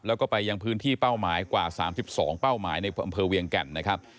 แล้วก็ไปยังพื้นที่เป้าหมายกว่า๓๒เป้าหมายในอำเภอเวียงแก่นนะครับ